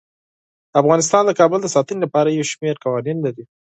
افغانستان د کابل د ساتنې لپاره یو شمیر قوانین لري.